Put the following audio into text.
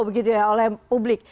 lampu hijau begitu ya oleh publik